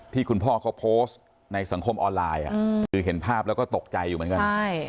คุณพ่อเขาโพสต์ในสังคมออนไลน์คือเห็นภาพแล้วก็ตกใจอยู่เหมือนกัน